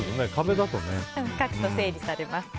書くと整理されますよね。